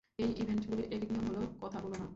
এই ইভেন্টগুলির একক নিয়ম হ'ল "কথা বলো না"।